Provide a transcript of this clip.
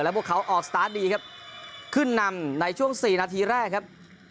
พวกเขาออกสตาร์ทดีครับขึ้นนำในช่วงสี่นาทีแรกครับ